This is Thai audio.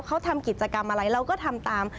เขาทำกิจกรรมอะไรเราก็ทำตาม